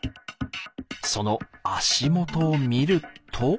その足元を見ると。